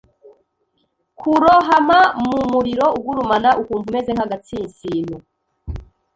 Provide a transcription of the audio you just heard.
kurohama mumuriro ugurumana, ukumva umeze nk'agatsinsino